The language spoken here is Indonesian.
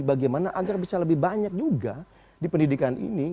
bagaimana agar bisa lebih banyak juga di pendidikan ini